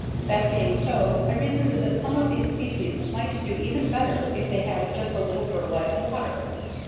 That being so, I reasoned that some of these species might do even better if they had just a little fertilized water.